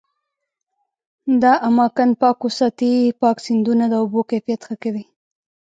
دا اماکن پاک وساتي، پاک سیندونه د اوبو کیفیت ښه کوي.